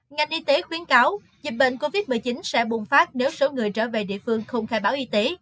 ngành y tế khuyến cáo dịch bệnh covid một mươi chín sẽ bùng phát nếu số người trở về địa phương không khai báo y tế